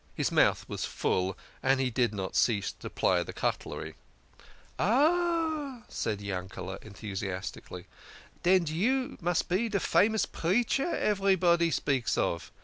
His mouth was full, and he did not cease to ply the cutlery. "Ah!" said Yankete enthusiastically, "den you must be de famous preacher everybody speaks of.